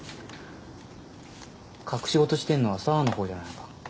隠し事してんのは紗和の方じゃないのか？